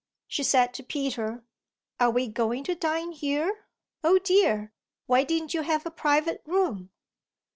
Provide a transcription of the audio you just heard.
She said to Peter: "Are we going to dine here? Oh dear, why didn't you have a private room?"